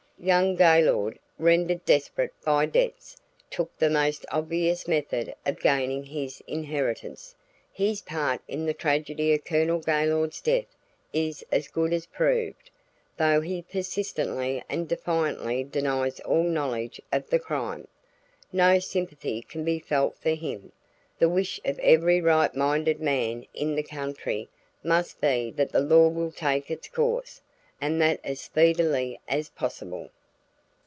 Young Gaylord, rendered desperate by debts, took the most obvious method of gaining his inheritance. His part in the tragedy of Colonel Gaylord's death is as good as proved, though he persistently and defiantly denies all knowledge of the crime. No sympathy can be felt for him. The wish of every right minded man in the country must be that the law will take its course and that as speedily as possible."